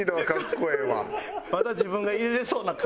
まだ自分が入れれそうな感覚の。